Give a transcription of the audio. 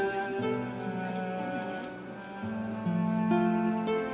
tidak ada yaitu